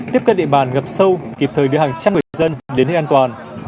tiếp cận địa bàn ngập sâu kịp thời đưa hàng trăm người dân đến nơi an toàn